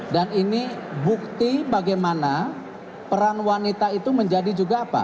dan ini bukti bagaimana peran wanita itu menjadi juga apresiasi